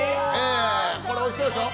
おいしそうでしょ。